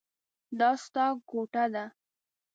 دا ستا کوټه ده.